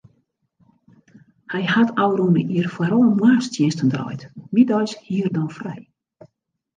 Hy hat ôfrûne jier foaral moarnstsjinsten draaid, middeis hie er dan frij.